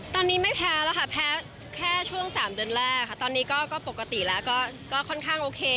ตอนนี้ไม่แพ้แล้วค่ะแพ้แค่ช่วง๓เดือนแรกค่ะตอนนี้ก็ปกติแล้วก็ค่อนข้างโอเค